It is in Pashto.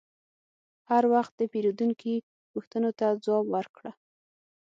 هر وخت د پیرودونکي پوښتنو ته ځواب ورکړه.